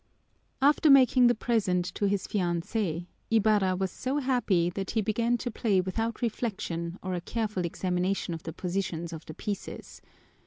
'" After making the present to his fiancée, Ibarra was so happy that he began to play without reflection or a careful examination of the positions of the pieces.